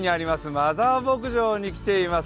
マザー牧場に来ています。